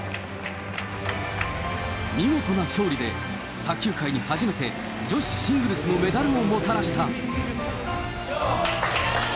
見事な勝利で、卓球界に初めて女子シングルスのメダルをもたらした。